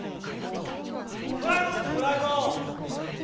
プライドを持て、プライド！